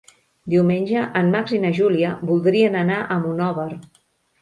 Diumenge en Max i na Júlia voldrien anar a Monòver.